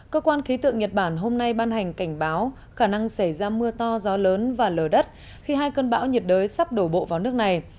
cơ quan khí tượng nhật bản hôm nay ban hành cảnh báo khả năng xảy ra mưa to gió lớn và lở đất khi hai cơn bão nhiệt đới sắp đổ bộ vào nước này